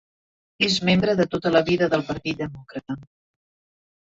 És membre de tota la vida del partit demòcrata.